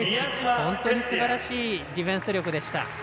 本当にすばらしいディフェンス力でした。